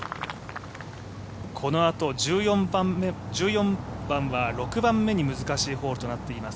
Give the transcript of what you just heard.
このあと１４番は６番目に難しいホールとなっています、